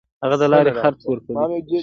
هغه د لارې خرڅ ورکړي.